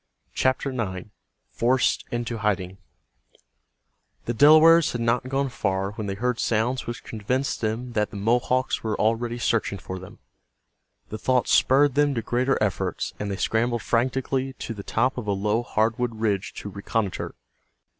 CHAPTER IX—FORCED INTO HIDING The Delawares had not gone far when they heard sounds which convinced them that the Mohawks were already searching for them. The thought spurred them to greater efforts, and they scrambled frantically to the top of a low hardwood ridge to reconnoiter.